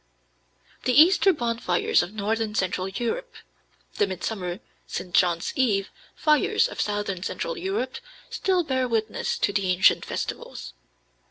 The Easter bonfires of northern central Europe, the Midsummer (St. John's Eve) fires of southern central Europe, still bear witness to the ancient festivals.